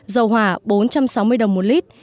dầu hỏa bốn trăm sáu mươi đồng một lít